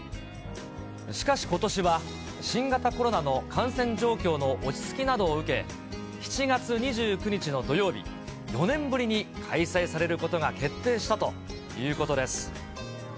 しかしことしは、新型コロナの感染状況の落ち着きなどを受け、７月２９日の土曜日、４年ぶりに開催されることが決定したということです。